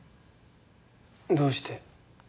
どうして？